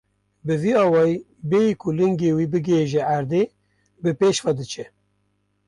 Bi vî awayî bêyî ku lingê wî bighêje erdê, bi pêş ve diçe.